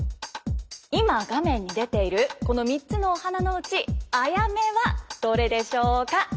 今画面に出ているこの３つのお花のうちアヤメはどれでしょうか？